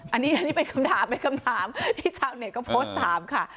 อันนี้เป็นคำถามที่ชาวเน็ตก็โพสต์ถามค่ะ